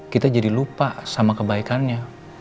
kita jadi lupa sama kebaikannya